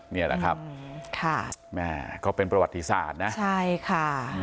นี่แหละครับก็เป็นประวัติศาสตร์นะใช่ค่ะ